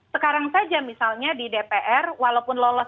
sekarang saja misalnya di dpr walaupun lolos